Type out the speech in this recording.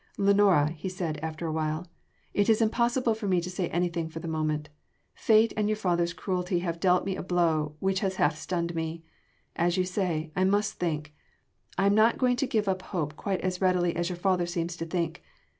"Lenora," he said after awhile, "it is impossible for me to say anything for the moment. Fate and your father’s cruelty have dealt me a blow which has half stunned me. As you say, I must think I am not going to give up hope quite as readily as your father seems to think.